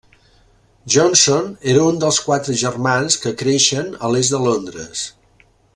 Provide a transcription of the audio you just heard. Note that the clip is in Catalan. Johnson era un dels quatre germans que creixen a l'est de Londres.